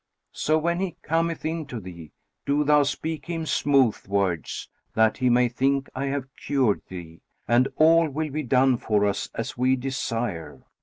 So when he cometh in to thee, do thou speak him smooth words, that he may think I have cured thee, and all will be done for us as we desire."